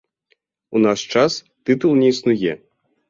У наш час тытул не існуе.